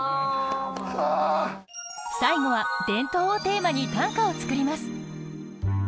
最後は「伝統」をテーマに短歌を作ります。